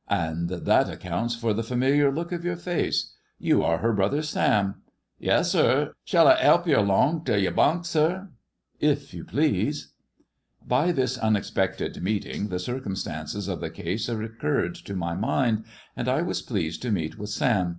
" Ah, that accounts for the familiar look of your face, iTou are her brother Sam." " Yessir. Shell I 'elp f long t' y' bunk, sir ]"" If you please." By this unexpected meeting the circumstances of the :ase recurred to my mind, and I was pleased to meet with ^m.